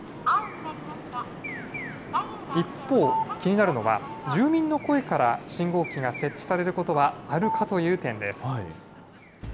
一方、気になるのは住民の声から信号機が設置されることはあるかという点です。